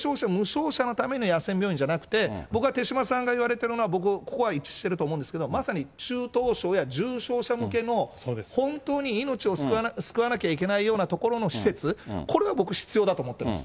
軽症者、無症状者のための野戦病院じゃなくて、僕は手嶋さんが言われてるのは、僕、ここは一致してると思うんですけど、まさに中等症や重症者向けの、本当に命を救わなきゃいけないようなところの施設、これは僕、必要だと思ってます。